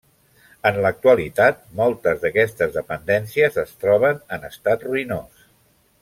En l'actualitat moltes d'aquestes dependències es troben en estat ruïnós.